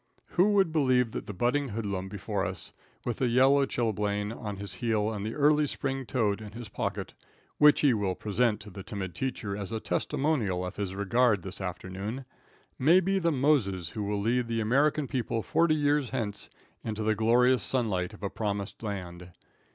Who would believe that the budding hoodlum before us, with the yellow chilblain on his heel and the early spring toad in his pocket, which he will present to the timid teacher as a testimonial of his regard this afternoon, may be the Moses who will lead the American people forty years hence into the glorious sunlight of a promised land.